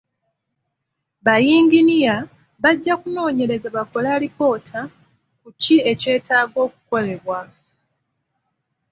Ba yinginiya bajja kunoonyereza bakole alipoota ku ki ekyetaaga okukolebwa.